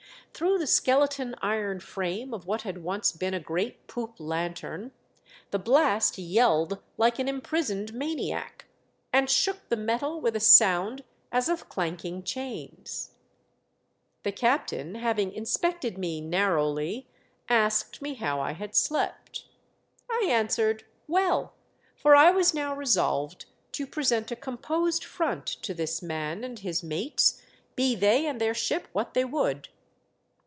Through the skeleton iron frame of what had once been a great poop lanthorn, the blast yelled like an imprisoned maniac, and shook the metal with a sound as of clanking chains. The captain, having inspected me narrowly, asked me how I had slept. I answered "Well," for I was now resolved to present a composed front to this man and his mates, be they and their ship what they would.